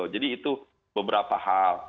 jadi itu beberapa hal